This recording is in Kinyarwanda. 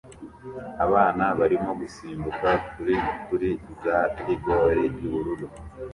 Abana barimo gusimbuka kuri kuri za rigore yubururu